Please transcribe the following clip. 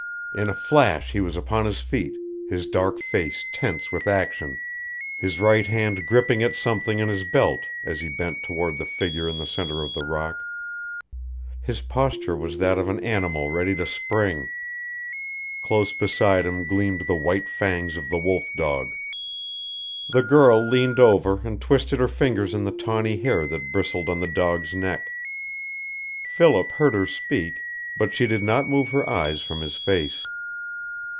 In a flash he was upon his feet, his dark face tense with action, his right hand gripping at something in his belt as he bent toward the figure in the center of the rock. His posture was that of an animal ready to spring. Close beside him gleamed the white fangs of the wolf dog. The girl leaned over and twisted her fingers in the tawny hair that bristled on the dog's neck. Philip heard her speak, but she did not move her eyes from his face.